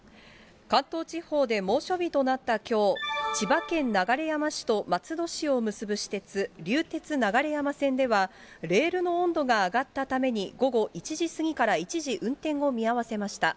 関東地方で猛暑日となったきょう、千葉県流山市と松戸市を結ぶ私鉄、流鉄流山線では、レールの温度が上がったために、午後１時過ぎから一時運転を見合わせました。